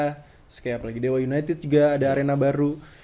terus kayak apalagi dewa united juga ada arena baru